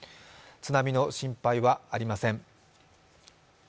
津波の心配はありません。